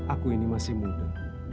aku ini masih muda